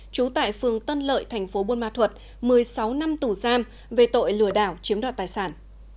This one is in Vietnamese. trú tại phường tân lợi thành phố buôn ma thuật một mươi sáu năm tù giam về tội lừa đảo chiếm đoạt tài sản